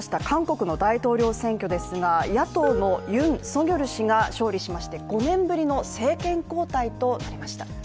韓国の大統領選ですが野党のユン・ソギョル氏が勝利しまして５年ぶりの政権交代となりました。